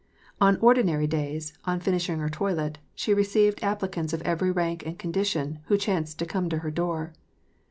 On ordinary days, on finishing her toilet, she received appli cants of every rank and condition who chanced to come to her door.